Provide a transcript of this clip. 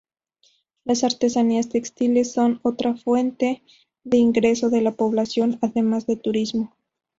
Las artesanías textiles son otra fuente de ingreso de la población, además del turismo.